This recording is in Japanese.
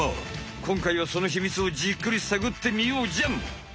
こんかいはそのひみつをじっくりさぐってみようじゃん。